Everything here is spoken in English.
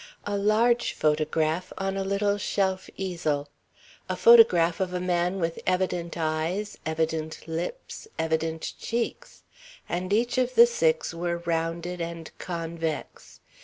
A large photograph on a little shelf easel. A photograph of a man with evident eyes, evident lips, evident cheeks and each of the six were rounded and convex.